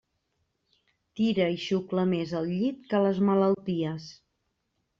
Tira i xucla més el llit que les malalties.